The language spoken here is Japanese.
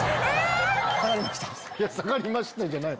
「下がりました」じゃない。